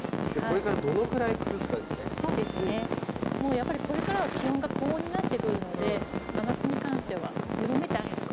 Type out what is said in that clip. やっぱりこれからは気温が高温になってくるので真夏に関しては緩めてあげるくらいでいいかと。